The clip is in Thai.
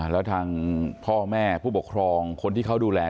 แล้วทางพ่อแม่ผู้ปกครองคนที่เขาดูแล